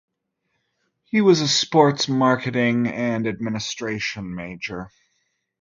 He was a Sports marketing and administration major.